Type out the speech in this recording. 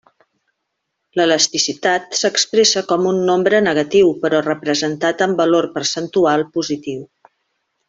L'elasticitat s'expressa com a un nombre negatiu però representat amb valor percentual positiu.